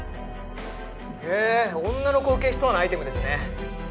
へえ女の子受けしそうなアイテムですね。